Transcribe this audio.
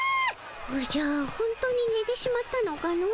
おじゃほんとにねてしまったのかの？